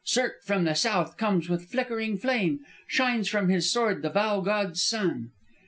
Surt from the south comes with flickering flame; shines from his sword the Val god's sun_.'"